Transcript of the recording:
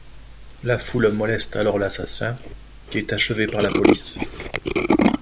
La foule moleste alors l'assassin, qui est achevé par la police.